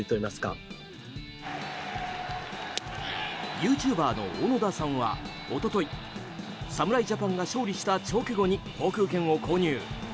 ユーチューバーのおのださんは、一昨日侍ジャパンが勝利した直後に航空券を購入。